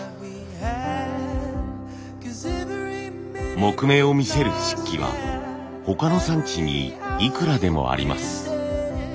木目を見せる漆器は他の産地にいくらでもあります。